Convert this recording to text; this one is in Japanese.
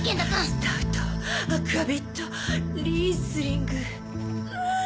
スタウトアクアビットリースリングあぁ。